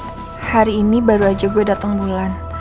maaf ki hari ini baru aja gue dateng bulan